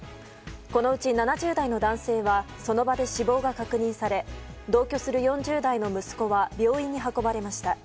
このうち７０代の男性はその場で死亡が確認され同居する４０代の息子は病院に運ばれました。